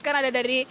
karena ada dari